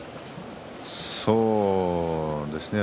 そうですね。